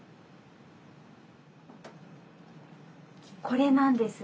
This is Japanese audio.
これなんです。